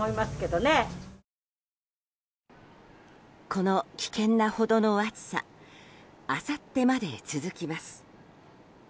この危険なほどの暑さあさってまで続きます。